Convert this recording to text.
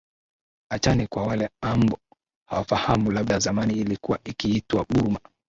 achane kwa wale ambo hawafahamu labda zamani ilikuwa ikiitwa burma